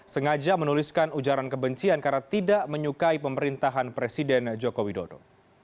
sengaja menuliskan ujaran kebencian karena tidak menyukai pemerintahan presiden joko widodo